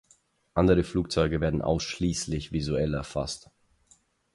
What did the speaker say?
Andere Flugzeuge werden ausschließlich visuell erfasst.